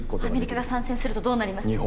アメリカが参戦するとどうなります。